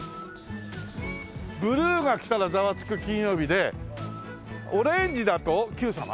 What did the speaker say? ブルーが来たら『ザワつく！金曜日』でオレンジだと『Ｑさま！！』？